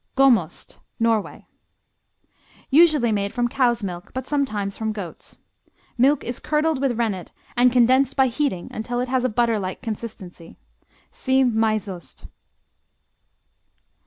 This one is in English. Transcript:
Gomost Norway Usually made from cow's milk, but sometimes from goat's. Milk is curdled with rennet and condensed by heating until it has a butter like consistency. (See Mysost.)